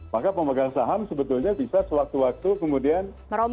maka pemegang saham sebetulnya bisa sewaktu waktu kemudian